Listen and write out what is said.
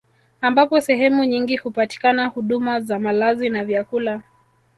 Ambapo sehemu nyingi hupatikana huduma za malazi na vyakula